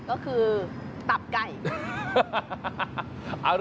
ก็คือตับไก่